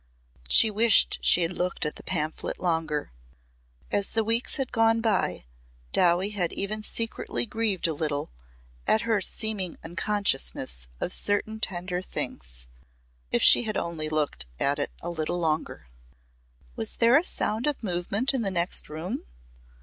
She wished she had looked at the pamphlet longer. As the weeks had gone by Dowie had even secretly grieved a little at her seeming unconsciousness of certain tender things. If she had only looked at it a little longer. "Was there a sound of movement in the next room?"